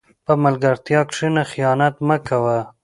په ملګرتیا کښېنه، خیانت مه کوه.